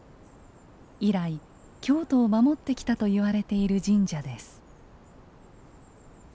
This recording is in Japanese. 以来京都を守ってきたといわれている神社です。